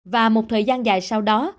và một thời gian dài sau đó